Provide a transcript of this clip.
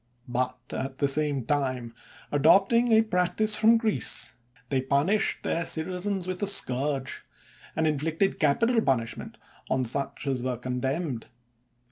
But at the same time, adopting a practise from Greece, they punished their citi zens with the scourge, and inflicted capital pun ishment on such as were condemned.